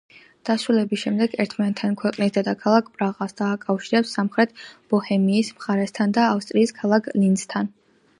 დასრულების შემდეგ ერთმანეთთან ქვეყნის დედაქალაქ პრაღას დააკავშირებს სამხრეთ ბოჰემიის მხარესთან და ავსტრიის ქალაქ ლინცთან.